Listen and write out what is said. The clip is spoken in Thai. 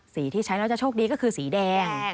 สีที่ใช้แล้วจะโชคดีก็คือสีแดง